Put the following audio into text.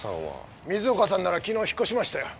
水岡さんなら昨日引越しましたよ。